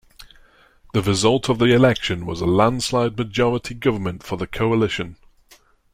The result of the election was a landslide majority government for the coalition.